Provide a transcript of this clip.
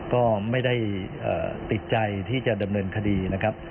ก็ไม่ได้ติดใจที่จะดำเนินคดีนะครับ